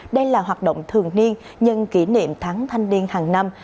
đây là hoạt động thường niên nhân kỷ niệm tháng thanh niên hàng năm